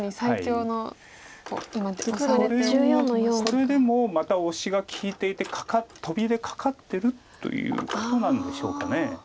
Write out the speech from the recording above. これでもまたオシが利いていてトビでカカってるということなんでしょうか。